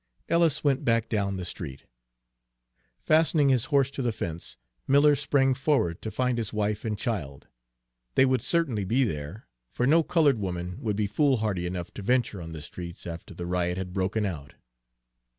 Ellis went back down the street. Fastening his horse to the fence, Miller sprang forward to find his wife and child. They would certainly be there, for no colored woman would be foolhardy enough to venture on the streets after the riot had broken out.